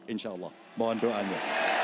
insya allah mohon doanya